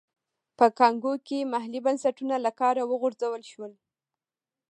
په کانګو کې محلي بنسټونه له کاره وغورځول شول.